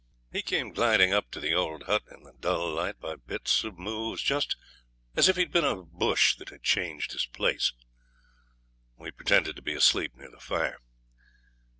He came gliding up to the old hut in the dull light by bits of moves, just as if he'd been a bush that had changed its place. We pretended to be asleep near the fire.